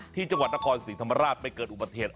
ที่จังหวัดนครศรีธรรมราชไปเกิดอุบัติเหตุ